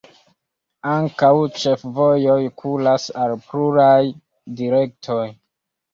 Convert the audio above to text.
Ankaŭ ĉefvojoj kuras al pluraj direktoj.